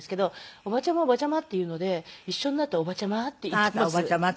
「おばちゃまおばちゃま」って言うので一緒になっておばちゃまって言っています。